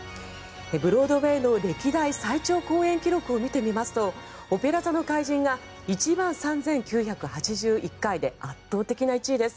ブロードウェーの歴代最長公演記録を見てみますと「オペラ座の怪人」が１万３９８１回で圧倒的な１位です。